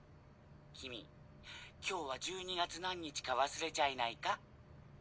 君今日は１２月何日か忘れちゃいないか！？